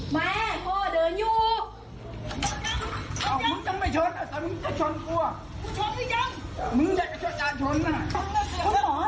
แม่โหเดินอยู่แต่ชนก่อนฉอมพี่ยังมึงจะชอมอ่ะ